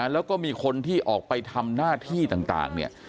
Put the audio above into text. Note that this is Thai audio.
แล้วก็มีคนที่ออกไปทำหน้าที่ต่างเนี่ย